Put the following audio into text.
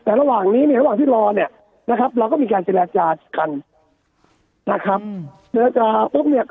แต่ระหว่างนี้เนี่ยระหว่างที่รอเนี่ยนะครับเราก็มีการเจรจากันนะครับเจรจาปุ๊บเนี่ย